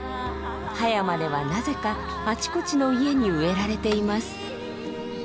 葉山ではなぜかあちこちの家に植えられています。